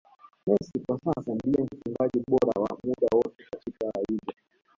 Messi kwa sasa ndiye mfungaji bora wa muda wote katika La Liga